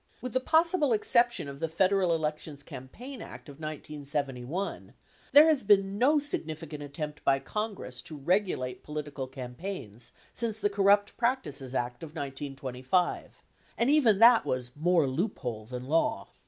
With the possible exception of the Federal Elections Campaign Act of 1971, there has been no significant attempt by Congress to regulate political campaigns since the Corrupt Practices Act of 1925 ; and even that was "more loophole than law."